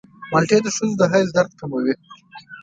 مالټې د ښځو د حیض درد کموي.